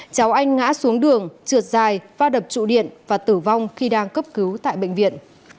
cháu anh ngã xuống đường trượt dài pha đập trụ điện và tử vong khi đang cấp cứu tại bệnh viện